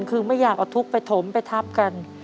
คือไม่อยากเอาทุกข์ไปถมไปทับกัน